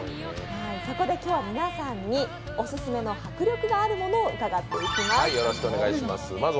そこで今日は皆さんにオススメの迫力があるものを伺っていきます。